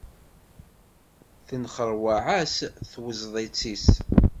Tenxeṛwaɛ-as tweṭzit-is.